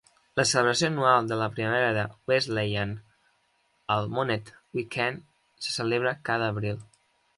La celebració anual de la primavera de Wesleyan, el Monnett Weekend, se celebra cada abril.